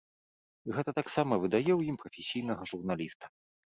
І гэта таксама выдае ў ім прафесійнага журналіста.